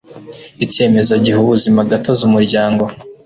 icyemezo giha ubuzimagatozi umuryango